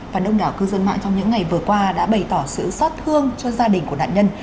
và đông đảo cư dân mạng trong những ngày vừa qua đã bày tỏ sự xót thương cho gia đình của nạn nhân